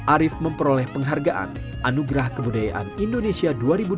arief memperoleh penghargaan anugerah kebudayaan indonesia dua ribu dua puluh